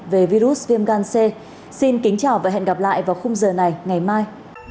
về virus viêm gan c xin kính chào và hẹn gặp lại vào khung giờ này ngày mai